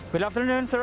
selamat siang sir